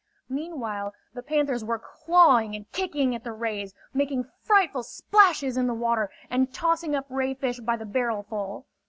Meanwhile the panthers were clawing and kicking at the rays, making frightful splashes in the water and tossing up ray fish by the barrel full.